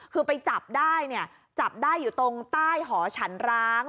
คือไปจับได้เนี่ยจับได้อยู่ตรงใต้หอฉันร้าง